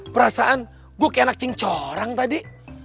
perasaan gue kayak anak cincorang tadi